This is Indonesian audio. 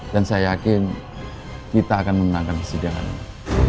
dan saya yakin kita akan menangkan kesedihan ini